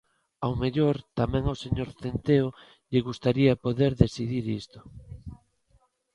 Ao mellor tamén ao señor Centeo lle gustaría poder decidir isto.